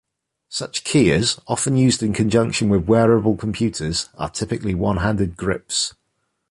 Such keyers, often used in conjunction with wearable computers, are typically one-handed grips.